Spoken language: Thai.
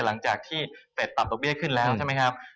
หลังจากที่เฟสปรับดอกเบี้ยขึ้นแล้วใช่ไหมครับ